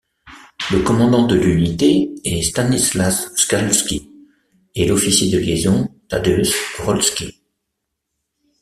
Le commandant de l'unité est Stanisław Skalski et l'officier de liaison, Tadeusz Rolski.